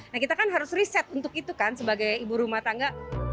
nah kita kan harus riset untuk itu kan sebagai ibu rumah tangga